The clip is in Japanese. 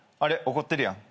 怒ってるやん。